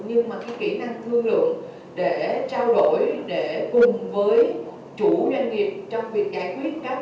nhưng mà cái kỹ năng thương lượng để trao đổi để cùng với chủ doanh nghiệp trong việc giải quyết các cái nhu cầu